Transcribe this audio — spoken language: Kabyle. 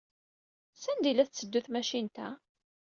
Sanda ay la tetteddu tmacint-a?